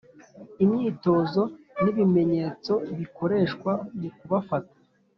Imyitozo n’ibimenyetso bikoreshwa mu kubafata